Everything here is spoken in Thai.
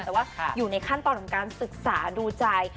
แต่ว่าอยู่ในขั้นตอนของการศึกษาดูใจ